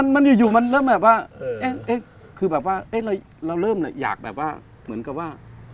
มันอยู่เริ่มแบบว่าเราเริ่มอยากแบบว่า